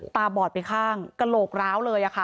ตาบอดไปข้างกระโหลกร้าวเลยค่ะ